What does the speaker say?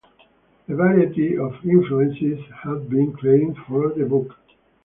A variety of influences have been claimed for the book.